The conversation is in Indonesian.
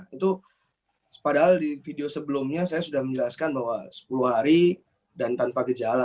itu padahal di video sebelumnya saya sudah menjelaskan bahwa sepuluh hari dan tanpa gejala